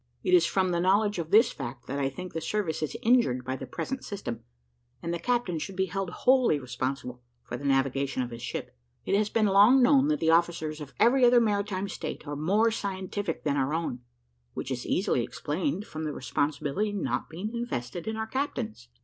It is from the knowledge of this fact that I think the service is injured by the present system, and the captain should be held wholly responsible for the navigation of his ship. It has been long known that the officers of every other maritime state are more scientific than our own, which is easily explained, from the responsibility not being invested in our captains.